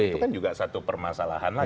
itu kan juga satu permasalahan lagi